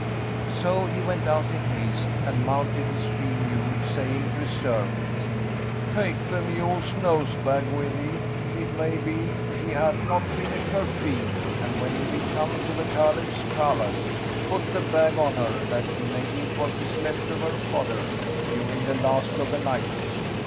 So he went out in haste and mounted his she mule, saying to his servant, "Take the mule's nose bag with thee; it may be she hath not finished her feed; and when we come to the Caliph's palace, put the bag on her, that she may eat what is left of her fodder, during the last of the night."